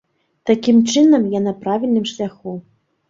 Такім чынам, я на правільным шляху!